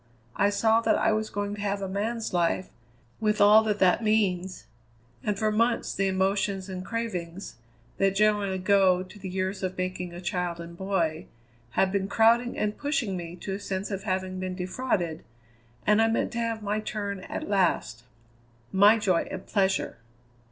I saw that I was going to have a man's life, with all that that means, and for months the emotions and cravings, that generally go to the years of making a child and boy, had been crowding and pushing me to a sense of having been defrauded, and I meant to have my turn at last: my joy and pleasure.